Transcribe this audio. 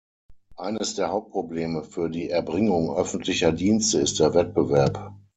Eines der Hauptprobleme für die Erbringung öffentlicher Dienste ist der Wettbewerb.